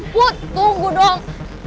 put tunggu dong